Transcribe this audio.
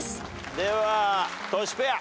ではトシペア。